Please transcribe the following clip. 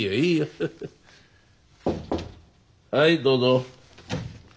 はいどうぞ。